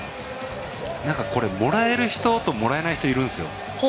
これ、もらえる人ともらえない人、いるんですよ。